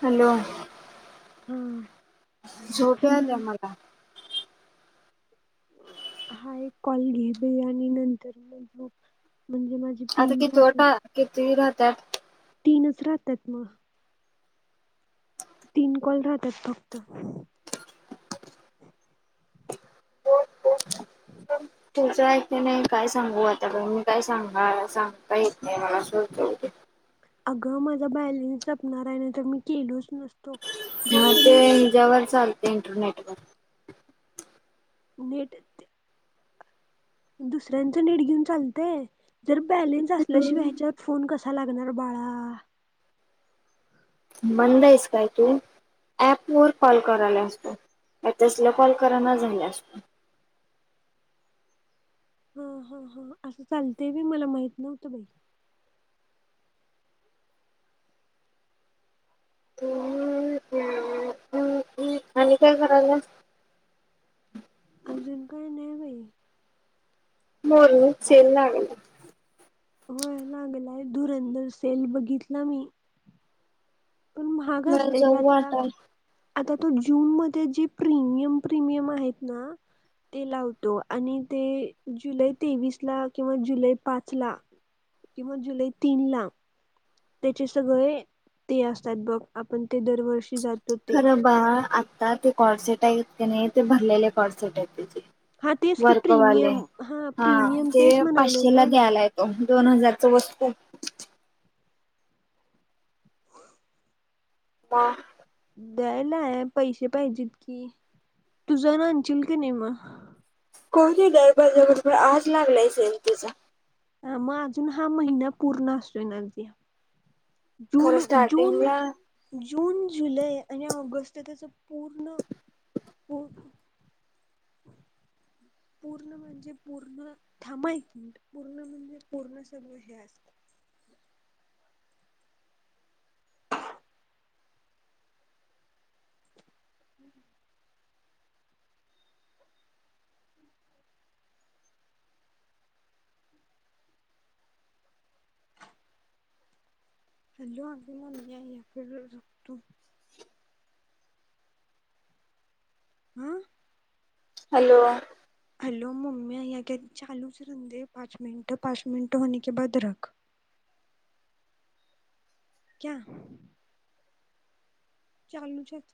Hello. हम. झोपे आल्या मला. हाय कॉल घेले आणि नंतर मग गुप. आता किती वाटा किती राह तर. तीनच राहतात मगं, तीन कॉल राहतात फक्त? हो. [unintelligible] तचं ऐक नाही काय सांगू आता बाई मी काय सांगा सांग. काहीत नाही मला अगं माझा बॅलेन्स जपणार आहे, ना तर मी केलोच नसतो. हा जर तुम्ही तेझ्यावर चालते इंटरनेट. [unintelligible] नेट ते. दुसऱ्यांच नेट घेऊन चालतय? जर बॅलेन्स असल्याशिवाय ह्याच्यात फोन कस? अच्छ लागणार बाळा. मदं आहेस काय तू ऍप वर कॉल करायला असतो तसल कॉल कराना झाला असतो. [unintelligible] असं चालते बी मला माहित नव्हतं बाई. आणि काय कराल्यास? अजून काय नाही बाई.. हो हो सेल लागलाय. होय लागलाय धुरधर सेल बघितला मी. पण महाग असतय ग आता. [unintelligible] आता तो जून मध्ये जे प्रीमियम प्रीमियम आहेत. ना ते लावतो आणि ते जुलै तेवीस ला किंवा जुलै पाच, ला किंवा, जुलै तीन ला त्याचे सगळे ते असतात बघ आपण ते दरवर्षी ज खरा बा आता ता ते कॉड सेट आहेत की नाही ते भरलेले कॉडसेट आहेत त्याचे हा तेच की वर्गवाले प्रीमियम हा प्रीमियम ते तेच म्हणावलंय पाचशेला ना द्यायला तो. दोन हजारच वस्तू? वा! द्यायलाय पैसे पाहिजेत कि तुझ नाशील की नाही मगं? कोणती दर बाजार रुपये आठ लागलायच सेल त्याचा. ह मगं अजून हा महिना पूर्ण असतोय जून खरं स्टार्टिंग जून ला? जून, जुलै आणि ऑगस्ट त्याच पूर्ण पूर्ण म्हणजे पूर्ण थांबायक पूर्ण म्हणजे पूर्ण सगळं हे असत [unintelligible] हॅलो आटी [unintelligible] हम्म. हॅलो! हॅलो मम्मी आया चालुच ठेवते पाच मिनट पाच मिनट होने के बाद रख क्या. चालूचच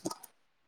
हा